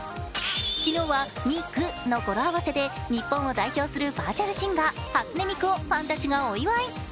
昨日はミクの語呂合わせで日本を代表するバーチャルシンガー、初音ミクをファンたちがお祝い。